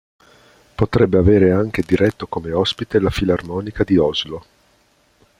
Potrebbe avere anche diretto come ospite la Filarmonica di Oslo.